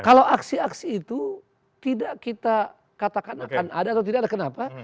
kalau aksi aksi itu tidak kita katakan akan ada atau tidak ada kenapa